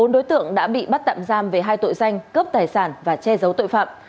bốn đối tượng đã bị bắt tạm giam về hai tội danh cướp tài sản và che giấu tội phạm